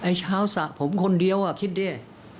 เช้าสระผมคนเดียวคิดดิ